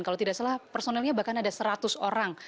kalau tidak salah personelnya bahkan ada seratus orang